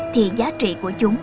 thì giá trị của chúng